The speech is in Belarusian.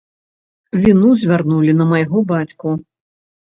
Віну звярнулі на майго бацьку.